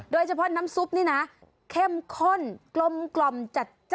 โดยเฉพาะน้ำซุปนี้นะเข้มข้นกลมจัด